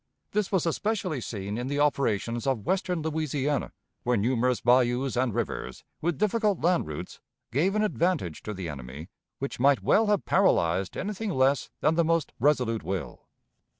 This was especially seen in the operations of western Louisiana, where numerous bayous and rivers, with difficult land routes, gave an advantage to the enemy which might well have paralyzed anything less than the most resolute will.